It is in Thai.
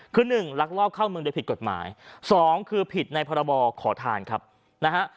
คือ๑ลักลอบเข้าเมืองโดยผิดกฎหมาย๒คือผิดในภาระบอขอทานครับนะฮะ